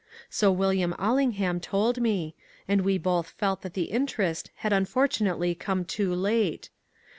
So William AUingham told me, and we both felt that the interest had unfortunately come too late.